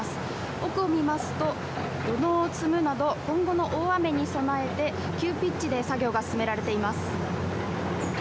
奥を見ますと、土のうを積むなど今後の大雨に備えて急ピッチで作業が進められています。